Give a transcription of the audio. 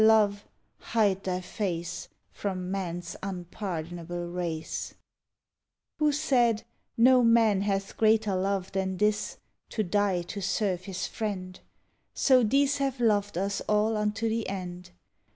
Love, hide thy face From man's unpardonable race. Who said "No man hath greater love than this, To die to serve his friend?" So these have loved us all unto the end.